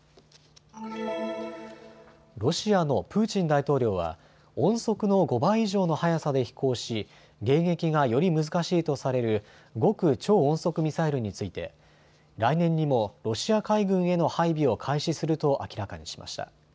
ロシアのプーチン大統領は音速の５倍以上の速さで飛行し迎撃がより難しいとされる極超音速ミサイルについて来年にもロシア海軍への配備を開始すると明らかにしました。